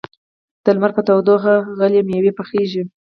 د لمر په تودوخه غلې او مېوې پخېږي.